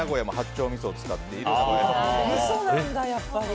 みそなんだ、やっぱり。